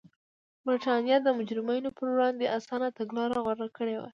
برېټانیا د مجرمینو پر وړاندې اسانه تګلاره غوره کړې وه.